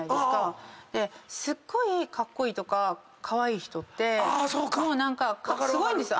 すっごいカッコイイとかカワイイ人ってもう何かすごいんですよ。